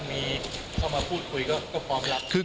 มีเข้ามาพูดคุยก็พร้อมรับ